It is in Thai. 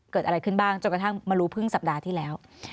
เกิดอะไรขึ้นบ้างจนกระทั่งมารู้เพิ่งสัปดาห์ที่แล้ว